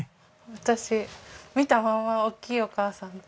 私見たまんまおっきいお母さん。